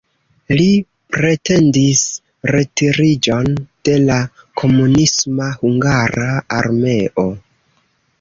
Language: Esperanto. Li pretendis retiriĝon de la komunisma hungara armeo.